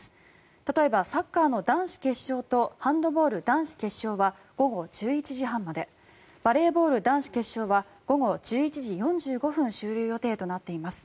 例えば、サッカーの男子決勝とハンドボール男子決勝は午後１１時半までバレーボール男子決勝は午後１１時４５分終了予定となっています。